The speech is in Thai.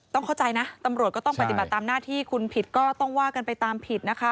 ต้องเข้าใจนะตำรวจก็ต้องปฏิบัติตามหน้าที่